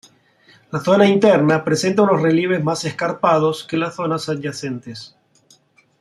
La zona interna presenta unos relieves más escarpados que las zonas adyacentes.